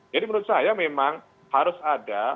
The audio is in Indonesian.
jadi menurut saya memang harus ada